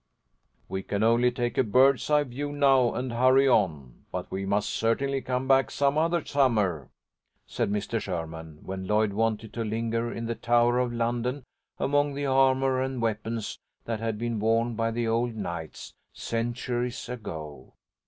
"We can only take a bird's eye view now and hurry on, but we must certainly come back some other summer," said Mr. Sherman, when Lloyd wanted to linger in the Tower of London among the armour and weapons that had been worn by the old knights, centuries ago.